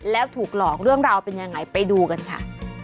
แล้วถูกหลอกเรื่องราวเป็นยังไงไปดูกันค่ะ